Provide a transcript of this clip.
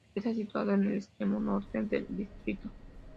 Está situado en el extremo norte del distrito.